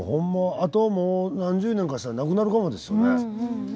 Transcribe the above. あと何十年かしたらなくなるかもですよね。